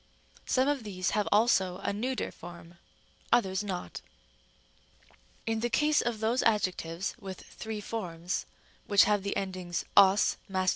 Some of these have also a neuter form, others not. Rem. d. In the ease of those adjectives with three forms which have the endings Ὃς (masc.)